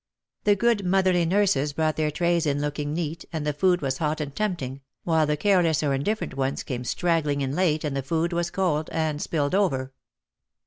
The good motherly nurses brought their trays in looking neat and the food was hot and tempting, while the careless or indifferent ones came straggling in late and the food was cold and spilled over.